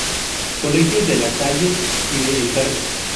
Colegios de La Salle y de El Carme.